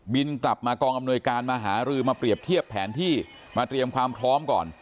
บินกลับมากองอำนวยการมาหารือมาเปรียบเทียบแผนที่มาเตรียมความพร้อมก่อน